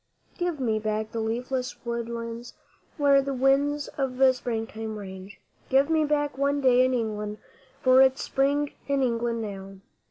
Give me back the leafless woodlands where the winds of Springtime range Give me back one day in England, for it's Spring in England now!